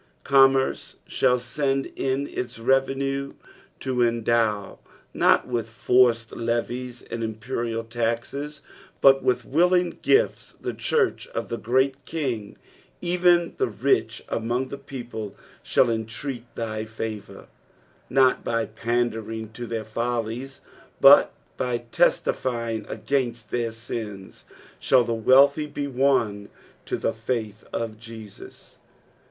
Commerce shall send in its revenue to endow, not with forced levies and imporinl luxes, but with willing gifts the church of the Great King. " Soea the rieh among the people thall intreat thy farour.'^ Not by pandering to their follies, but by testifying against their sins, shall the wealthy be won to the faith of Jesus.